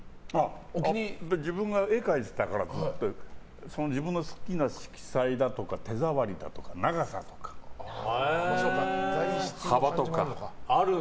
やっぱり自分が絵を描いてたから自分の好きな色彩だとか手触りだとか長さだとか、細さ、幅とか。